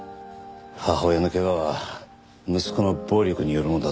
母親の怪我は息子の暴力によるものだった。